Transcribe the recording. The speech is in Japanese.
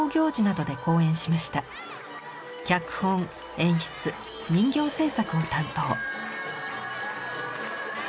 脚本・演出・人形制作を担当。